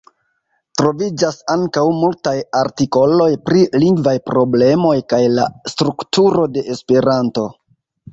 Troviĝas ankaŭ multaj artikoloj pri lingvaj problemoj kaj la strukturo de Esperanto.